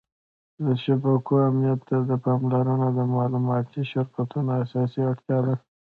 د شبکو امنیت ته پاملرنه د معلوماتي شرکتونو اساسي اړتیا ده.